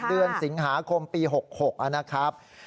เดือนสิงหาคมปี๖๖นะครับ